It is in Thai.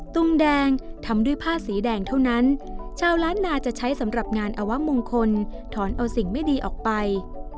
งแดงทำด้วยผ้าสีแดงเท่านั้นชาวล้านนาจะใช้สำหรับงานอวะมงคลถอนเอาสิ่งไม่ดีออกไป